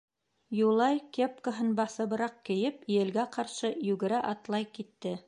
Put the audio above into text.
Юлай, кепкаһын баҫыбыраҡ кейеп, елгә ҡаршы йүгерә-атлай китте.